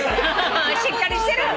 しっかりしてる。